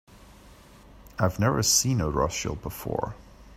I have never seen a Rothschild before.